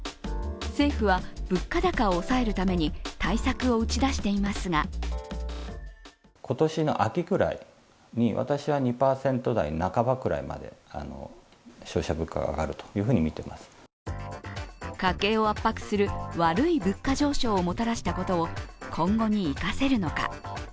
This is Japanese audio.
政府は物価高を抑えるために対策を打ち出していますが家計を圧迫する悪い物価上昇をもたらしたことを今後に生かせるのか。